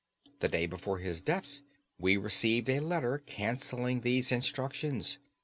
The day before his death we received a letter canceling these instructions.